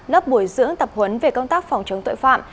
lớp bồi dưỡng tập huấn về công tác phòng chống tội phạm